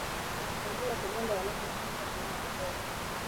Maziwa kuganda yanapochemshwa kuunda mabonge